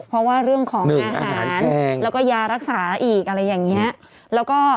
เพราะว่าเรื่องของอาหารแล้วก็ยารักษาอีกอะไรอย่างนี้